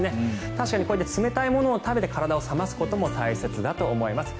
確かに冷たいものを食べて体を冷ますことも大切だと思います。